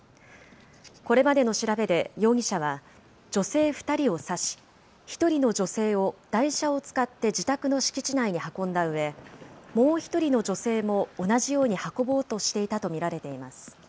これまでの調べで容疑者は、女性２人を刺し、１人の女性を台車を使って自宅の敷地内に運んだうえ、もう１人の女性も同じように運ぼうとしていたと見られています。